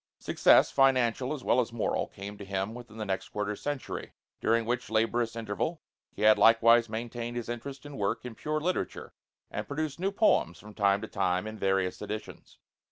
Success, financial as well as moral, came to him within the next quarter century, during which laborious interval he had likewise maintained his interest and work in pure literature and produced new poems from time to time in various editions.